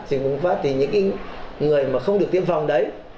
dịch bùng phát từ những người mà không được tiêm phòng đấy